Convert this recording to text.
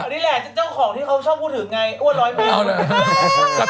นี่มันก็ช่องพูดถึงไงอ้วนร้อยมาก